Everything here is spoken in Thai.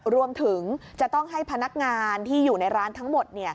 รวมถึงจะต้องให้พนักงานที่อยู่ในร้านทั้งหมด